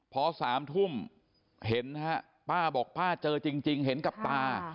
พอ๓ทุ่มเห็นนะฮะป้าบอกป้าเจอจริงเห็นกับตา